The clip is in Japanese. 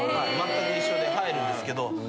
全く一緒で入るんですけど。